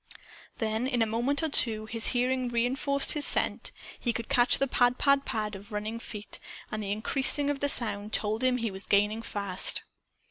Then, in a moment or two, his hearing re enforced his scent. He could catch the pad pad pad of running feet. And the increasing of the sound told him he was gaining fast.